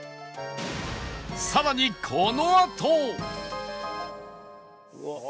さらにこのあと！